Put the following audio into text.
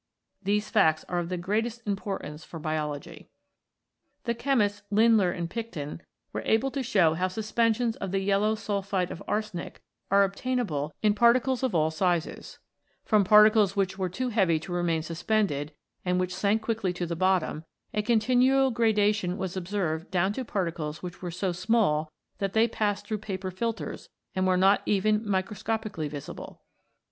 These facts are of the greatest importance for Biology. The chemists Under and Picton were able to show how suspensions of the yellow sulphide of arsenic are obtainable in particles of all sizes. 23 CHEMICAL PHENOMENA IN LIFE From particles which were too heavy to remain suspended and which sank quickly to the bottom, a continual graduation was observed down to particles which were so small that they passed through paper niters and were not even micro scopically visible.